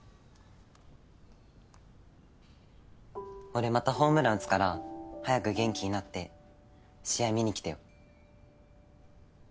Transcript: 俺またホームラン打つから早く元気になって試合見に来てよ。